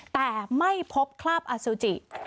แต่ไม่พบคราบอสุจิ